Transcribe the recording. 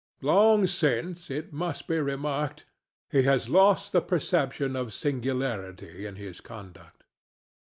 Long since, it must be remarked, he has lost the perception of singularity in his conduct.